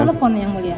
telepon yang mulia